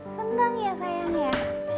seneng ya sayangnya